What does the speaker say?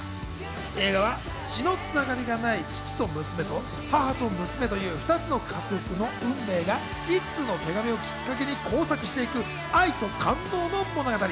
映画は血の繋がりがない父と娘と、母と娘という２つの家族の運命が１通の手紙をきっかけに交錯していく愛と感動の物語。